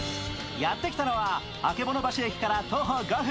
やってきたのは曙橋駅から徒歩５分。